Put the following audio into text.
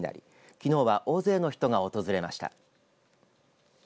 きのうは大勢の人が訪れました。